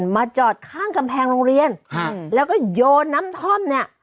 มาจอดข้างกำแพงโรงเรียนแล้วก็โยนน้ำท่อมเนี่ย